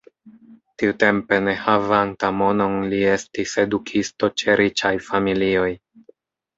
Tiutempe ne havanta monon li estis edukisto ĉe riĉaj familioj.